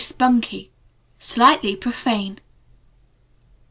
spunky. Slightly profane.)